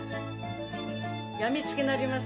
病みつきになります。